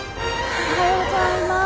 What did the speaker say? おはようございます。